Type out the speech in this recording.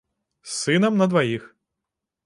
З сынам на дваіх.